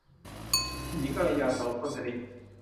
คุณหญิงกัลยา โสภณพนิช